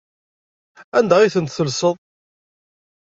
Anda ay tent-tellseḍ?